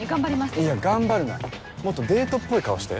いや頑張るなもっとデートっぽい顔して。